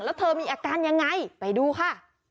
แล้วเธอมีอาการยังไงไปดูค่ะ